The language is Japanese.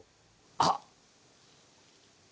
あっ。